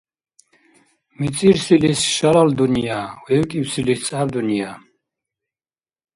МицӀирсилис — шалал дунъя, вебкӀибсилис — цӀяб дунъя.